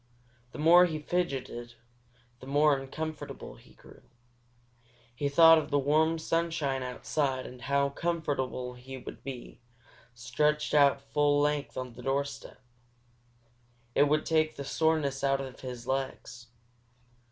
The more he fidgeted, the more uncomfortable he grew. He thought of the warm sunshine outside and how comfortable he would be, stretched out full length on the doorstep. It would take the soreness out of his legs.